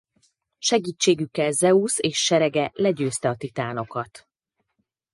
Segítségükkel Zeusz és serege legyőzte a titánokat.